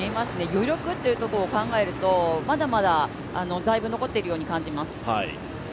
余力を考えると、まだまだだいぶ残っているように感じます。